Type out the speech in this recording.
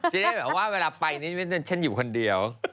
จะได้แบบว่าเวลาไปนี่ฉันอยู่คนเดียว